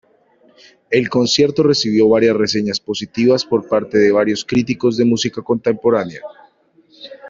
El concierto recibió varias reseñas positivas por parte de varios críticos de música contemporánea.